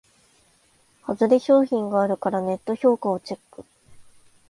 ハズレ商品があるからネット評価をチェック